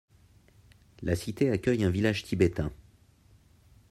La cité accueille un village tibétain.